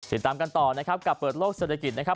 ติดตามกันต่อนะครับกับเปิดโลกเศรษฐกิจนะครับ